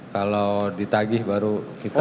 kalau ditagih baru kita